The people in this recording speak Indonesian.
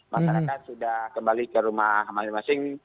masyarakat sudah kembali ke rumah masing masing